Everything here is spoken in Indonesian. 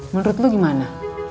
menurut lo gimana